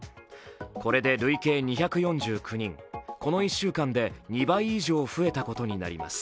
これで累計２４９人、この１週間で２倍以上増えたことになります。